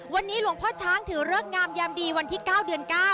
วันนี้หลวงพ่อช้างถือเลิกงามยามดีวันที่๙เดือน๙